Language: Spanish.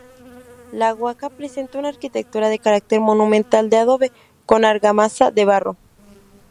La huaca presenta una arquitectura de carácter monumental de adobe con argamasa de barro.